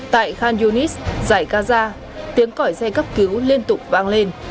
tại khan yunis zagaza tiếng cõi xe cấp cứu liên tục vang lên